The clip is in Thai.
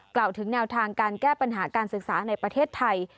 กล่าวถึงแนวทางการแก้ปัญหาการศึกษาในประเทศไทย